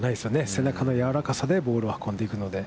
背中のやわらかさでボールを運んでいくので。